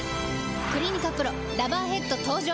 「クリニカＰＲＯラバーヘッド」登場！